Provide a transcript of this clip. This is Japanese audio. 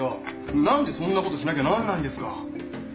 なんでそんな事しなきゃなんないんですか？